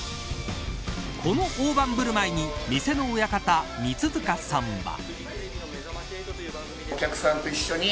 この大盤振る舞いに店の親方、三塚さんは。